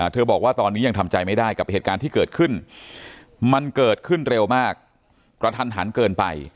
บอกว่าตอนนี้ยังทำใจไม่ได้กับเหตุการณ์ที่เกิดขึ้นมันเกิดขึ้นเร็วมากกระทันหันเกินไป